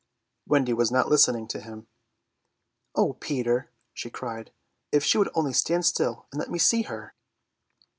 Wendy was not listening to him. "O Peter," she cried, "if she would only stand still and let me see her!"